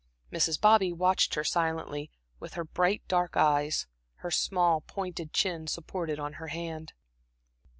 Mrs. Bobby watched her silently with her bright dark eyes, her small, pointed chin supported on her hand.